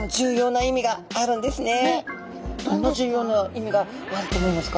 どんな重要な意味があると思いますか？